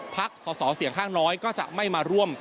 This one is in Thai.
สอสอเสี่ยงข้างน้อยก็จะไม่มาร่วม